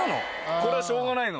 これはしょうがないの？